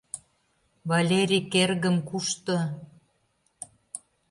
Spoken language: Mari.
Валерик эргым кушто?